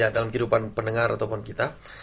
dalam kehidupan pendengar ataupun kita